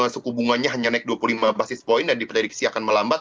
suku bunganya hanya naik dua puluh lima basis point dan diprediksi akan melambat